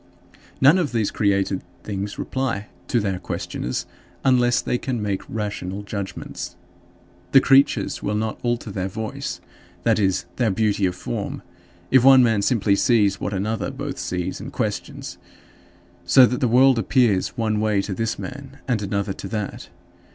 None of these created things reply to their questioners unless they can make rational judgments. The creatures will not alter their voice that is, their beauty of form if one man simply sees what another both sees and questions, so that the world appears one way to this man and another to that.